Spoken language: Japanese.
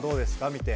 見て。